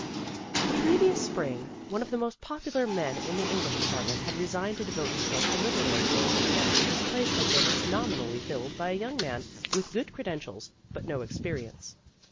The previous spring, one of the most popular men in the English department had resigned to devote himself to literary work, and his place had been nominally filled by a young man with good credentials but no experience.